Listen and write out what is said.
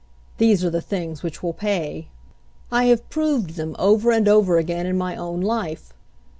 These are the things which will pay. "I have proved them over and over again in my own life.